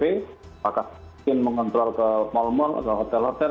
apakah mungkin mengontrol ke mal mal atau hotel hotel